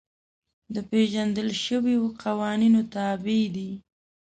د پېژندل شویو قوانینو تابع دي.